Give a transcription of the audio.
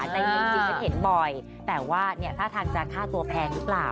ในเมตรดีจะเห็นบ่อยแต่ว่าเนี๊ยะถ้าทำจะฆ่าตัวแพงหรือเปล่า